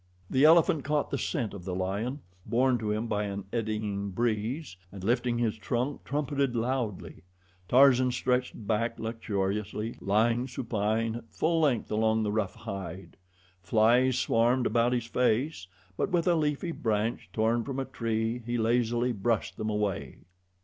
The elephant caught the scent of the lion, borne to him by an eddying breeze, and lifting his trunk trumpeted loudly. Tarzan stretched back luxuriously, lying supine at full length along the rough hide. Flies swarmed about his face; but with a leafy branch torn from a tree he lazily brushed them away.